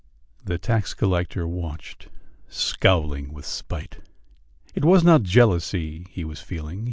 The tax collector watched, scowling with spite.... It was not jealousy he was feeling.